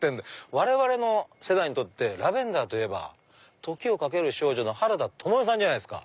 ⁉我々の世代にとってラベンダーといえば『時をかける少女』の原田知世さんじゃないですか。